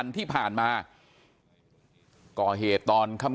นางมอนก็บอกว่า